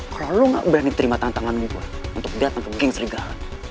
kalau lo gak berani terima tantangan gue untuk datang ke geng serigala